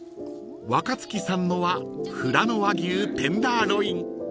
［若槻さんのは富良野和牛テンダーロイン］